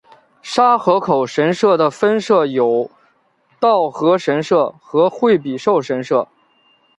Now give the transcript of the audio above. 沙河口神社的分社有稻荷神社和惠比寿神社。